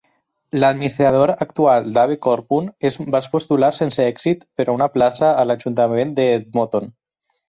L'administrador actual Dave Colburn es va postular sense èxit per a una plaça a l'Ajuntament d'Edmonton.